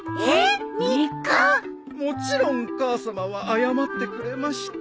もちろん母さまは謝ってくれました。